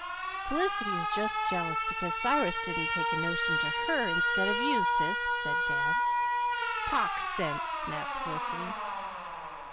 "Felicity is just jealous because Cyrus didn't take a notion to her instead of you, Sis," said Dan. "Talk sense!" snapped Felicity.